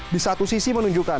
di satu sisi menunjukkan